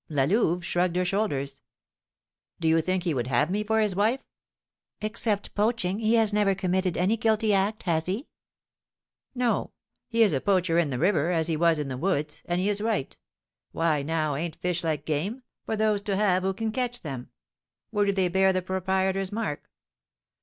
'" La Louve shrugged her shoulders. "Do you think he would have me for his wife?" "Except poaching, he has never committed any guilty act, has he?" "No; he is a poacher in the river, as he was in the woods, and he is right. Why, now, ain't fish like game, for those to have who can catch them? Where do they bear the proprietor's mark?"